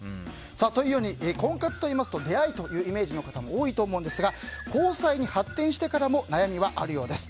婚活といいますと出会いというイメージの方も多いと思いますが交際に発展してからも悩みはあるようです。